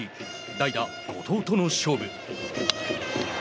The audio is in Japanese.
代打後藤との勝負。